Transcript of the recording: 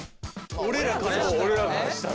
俺らからしたら。